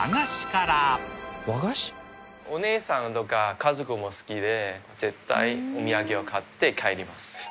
お姉さんとか家族も好きで絶対お土産を買って帰ります。